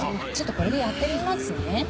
ちょっとこれでやってみますね。